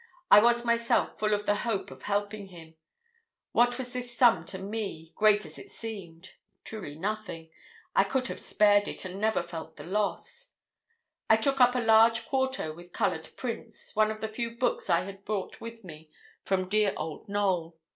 I was myself full of the hope of helping him. What was this sum to me, great as it seemed? Truly nothing. I could have spared it, and never felt the loss. I took up a large quarto with coloured prints, one of the few books I had brought with me from dear old Knowl.